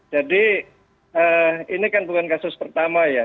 jadi ini kan bukan kasus pertama ya